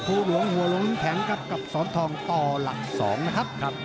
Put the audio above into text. ผู้ห่วงหัวลงทั้งทั้งกับกับสนทองต่อหลัก๒นะครับ